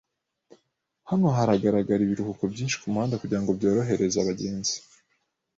Hano harahagarara ibiruhuko byinshi kumuhanda kugirango byorohereze abagenzi.